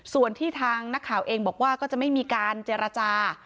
ส่วนที่ทางนักข่าวเองบอกว่าก็จะไม่มีการเจรจา